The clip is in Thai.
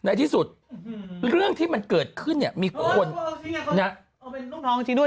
ในที่สุดเรื่องที่มันเกิดขึ้นเนี่ยมีคนนะโอ้เป็นลูกน้องจริงด้วย